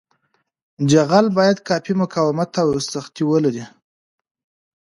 جغل باید کافي مقاومت او سختي ولري